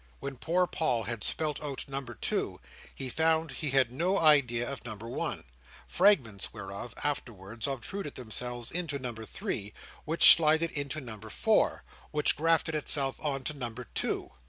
When poor Paul had spelt out number two, he found he had no idea of number one; fragments whereof afterwards obtruded themselves into number three, which slided into number four, which grafted itself on to number two.